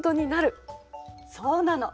そうなの。